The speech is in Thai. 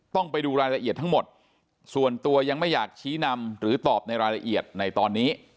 ต้องไปดูรายละเอียดทั้งหมดส่วนตัวยังไม่อยากชี้นำหรือตอบในรายละเอียดในตอนนี้